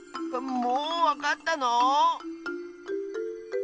もうわかったの？